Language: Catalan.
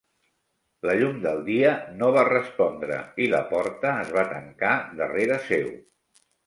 La llum del dia no va respondre i la porta es va tancar darrere seu.